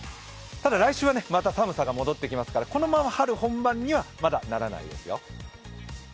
来週はまた寒さが戻ってきますからこのまま春本番にはまだならないですよ。